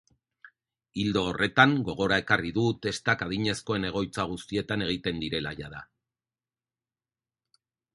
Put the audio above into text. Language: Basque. Ildo horretan, gogora ekarri du testak adinezkoen egoitza guztietan egiten direla jada.